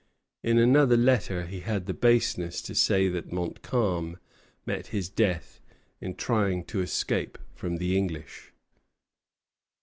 In another letter he had the baseness to say that Montcalm met his death in trying to escape from the English.